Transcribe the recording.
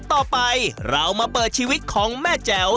ต่อไปเรามาเปิดชีวิตของแม่แจ๋ว